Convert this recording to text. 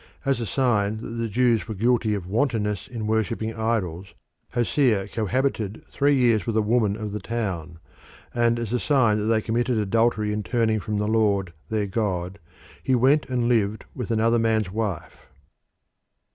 As a sign that the Jews were guilty of wantonness in worshipping idols, Hosea cohabited three years with a woman of the town; and as a sign that they committed adultery in turning from the Lord their God, he went and lived with another man's wife.